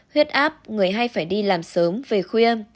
huyết áp người hay phải đi làm sớm về khuya